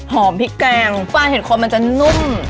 พริกแกงปลาเห็นคนมันจะนุ่ม